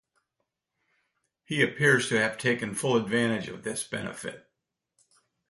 He appears to have taken full advantage of this benefit.